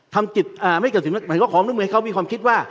ทำจิตไม่เกี่ยวกับสินค้าของร่วมมือให้เขามีความคิดว่า